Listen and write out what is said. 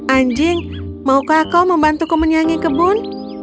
anjing maukah kau membantuku menyanyi kebun